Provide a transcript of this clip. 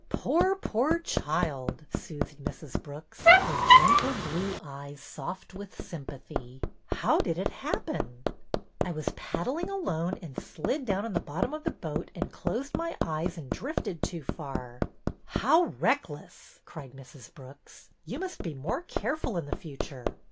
Poor, poor child !" soothed Mrs. Brooks, her gentle blue eyes soft with sympathy. " How did it happen ?" I was paddling alone, and slid down on the bottom of the boat and closed my eyes and drifted too far." ''WE REGRET^' i6i '' How reckless !'' cried Mrs. Brooks. You must be more careful in the future.